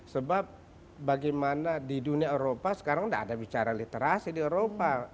sebab bagaimana di dunia eropa sekarang tidak ada bicara literasi di eropa